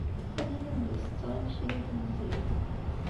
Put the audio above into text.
Qlil anda setteɣ imekli n tnezzayt.